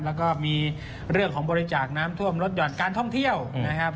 แล้วก็มีเรื่องของบริจาคน้ำท่วมลดหย่อนการท่องเที่ยวนะครับ